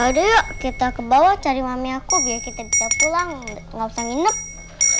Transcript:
yaudah yuk kita ke bawah cari mami aku biar kita bisa pulang gak usah nginep